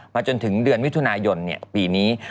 มาจนถึงเดือนวิทยานายนเนี่ยปีนี้